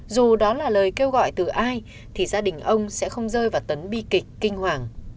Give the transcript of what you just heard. dù đó là lời kêu gọi từ ai thì gia đình ông sẽ không rơi vào tấn bi kịch kinh hoàng